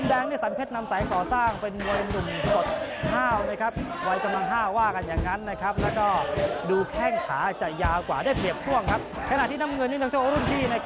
ได้เก่าประสบการณ์ที่วงวงบิน